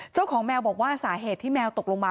เจ้าของแมวบอกว่าสาเหตุที่แมวตกลงมา